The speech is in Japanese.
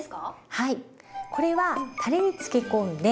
はい。